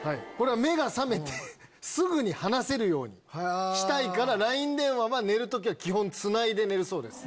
目が覚めてすぐに話せるようにしたいからＬＩＮＥ電話は寝る時基本つないで寝るそうです。